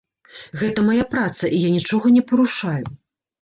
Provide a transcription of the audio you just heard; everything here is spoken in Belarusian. Гэта мая праца, і я нічога не парушаю.